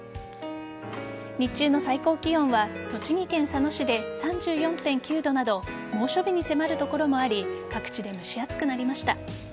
日中の最高気温は栃木県佐野市で３４．９度など猛暑日に迫る所もあり各地で蒸し暑くなりました。